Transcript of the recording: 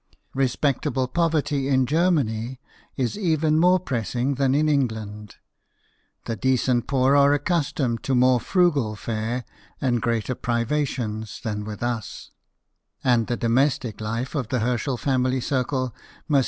Respectable poverty in Germany is even more pressing than in England ; the decent poor are accustomed to more frugal fare and greater privations than with us ; and the domestic life of the Herschel family circle must WILLIAM HERSCHEL, BANDSMAN.